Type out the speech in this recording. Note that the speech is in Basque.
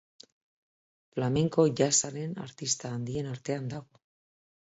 Flamenko-jazzaren artista handien artean dago.